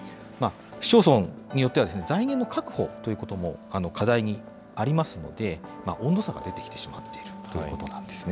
市町村によっては、財源の確保ということも課題にありますので、温度差が出てきてしまっているということなんですね。